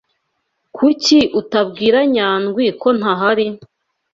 Kuki utabwira Nyandwi ko ntahari?